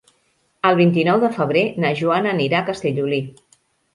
El vint-i-nou de febrer na Joana anirà a Castellolí.